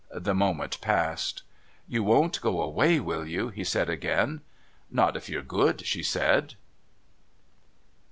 The moment passed. "You won't go away, will you?" he said again. "Not if you're good," she said.